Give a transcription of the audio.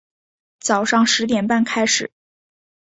早上十点半开始